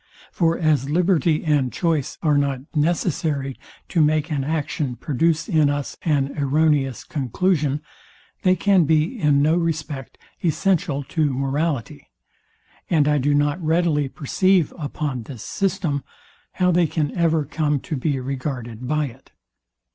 For as liberty and choice are not necessary to make an action produce in us an erroneous conclusion, they can be, in no respect, essential to morality; and I do not readily perceive, upon this system, how they can ever come to be regarded by it.